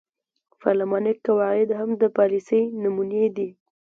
پارلماني قواعد هم د پالیسۍ نمونې دي.